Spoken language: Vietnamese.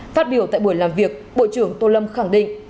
phát biểu tại buổi làm việc bộ trưởng tô lâm khẳng định